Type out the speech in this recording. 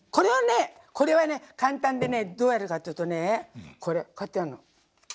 これはね簡単でねどうやるかっていうとねこうやってやんの。